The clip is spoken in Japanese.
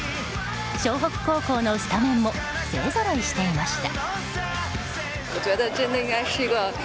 湘北高校のスタメンも勢ぞろいしていました。